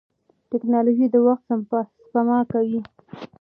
ټیکنالوژي د وخت سپما کوي.